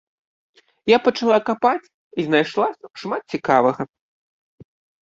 Я пачала капаць і знайшла шмат цікавага.